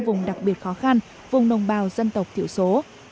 vùng đặc biệt khó khăn vùng nông bào dân tộc tiểu số